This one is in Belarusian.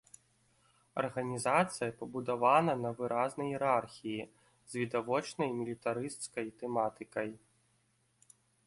Арганізацыя пабудавана на выразнай іерархіі, з відавочнай мілітарысцкай тэматыкай.